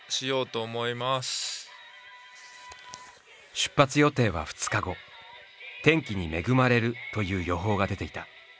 出発予定は２日後天気に恵まれるという予報が出ていた。